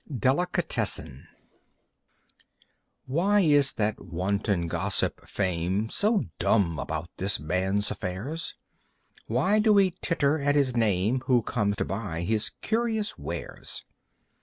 Delicatessen Why is that wanton gossip Fame So dumb about this man's affairs? Why do we titter at his name Who come to buy his curious wares?